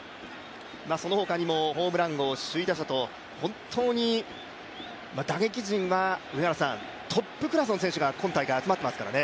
その他にも、ホームラン王、首位打者と本当に打撃陣はトップクラスの選手が今大会集まっていますからね。